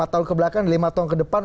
lima tahun kebelakang lima tahun ke depan